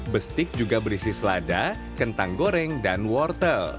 bestik juga berisi selada kentang goreng dan wortel